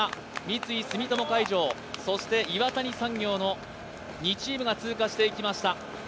三井住友海上、岩谷産業の２チームが通過していきました。